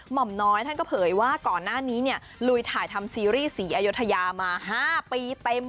่อมน้อยท่านก็เผยว่าก่อนหน้านี้เนี่ยลุยถ่ายทำซีรีส์ศรีอยุธยามา๕ปีเต็ม